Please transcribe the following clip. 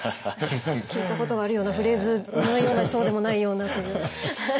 聞いたことがあるようなフレーズのようなそうでもないようなという。